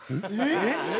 えっ？